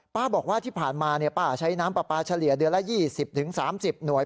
บอกว่าที่ผ่านมาป้าใช้น้ำปลาปลาเฉลี่ยเดือนละ๒๐๓๐หน่วย